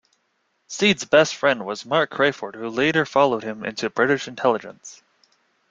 Steed's best friend was Mark Crayford who later followed him into British Intelligence.